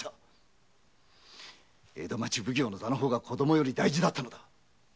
江戸町奉行の座の方が子供より大事だったのだ！